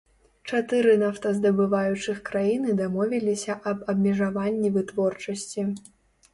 Чатыры нафтаздабываючых краіны дамовіліся аб абмежаванні вытворчасці.